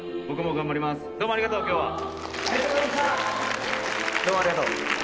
僕も頑張ります。